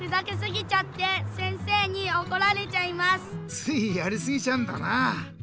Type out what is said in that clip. ついやりすぎちゃうんだな。